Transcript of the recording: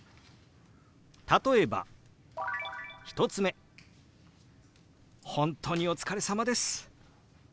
例えば１つ目「本当にお疲れさまです」。